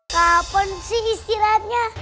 kapan sih istirahatnya